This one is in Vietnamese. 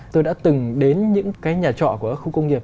tôi đã từng đến những cái nhà trọ của các khu công nghiệp